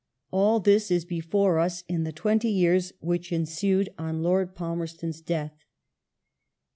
All this is before us in the twenty years which ensued on Lord Palmerston's death.